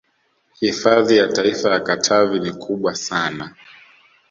Hifadhi ya Taifa ya Katavi ni kubwa sana